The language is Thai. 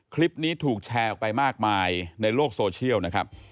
คลิปนี้ถูกแชร์ออกไปมากมายในโลกโซเชียลนะครับ